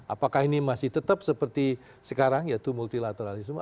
apakah ini masih tetap seperti sekarang yaitu multilateralisme